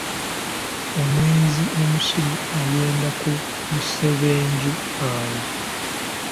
Omwenzi omusiru ayenda ku lusebenju awo.